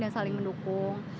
dan saling mendukung